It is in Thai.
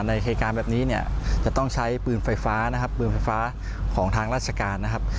เหตุการณ์แบบนี้เนี่ยจะต้องใช้ปืนไฟฟ้านะครับปืนไฟฟ้าของทางราชการนะครับ